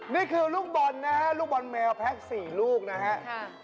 นี่คือลูกบอลนะฮะลูกบอลแมวแพ็ค๔ลูกนะฮะ